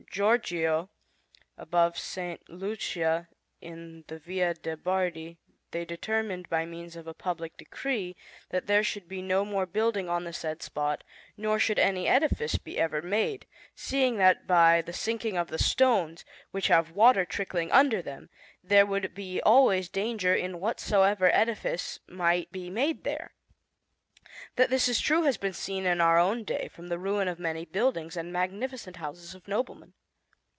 Giorgio above S. Lucia in the Via de' Bardi, they determined by means of a public decree that there should be no more building on the said spot, nor should any edifice be ever made, seeing that by the sinking of the stones, which have water trickling under them, there would be always danger in whatsoever edifice might be made there. That this is true has been seen in our own day from the ruin of many buildings and magnificent houses of noblemen.